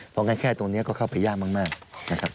เพราะง่ายแค่ตรงนี้ก็เข้าไปยากมากนะครับ